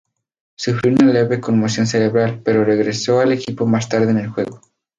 Sufrió una leve conmoción cerebral, pero regresó al equipo más tarde en el juego.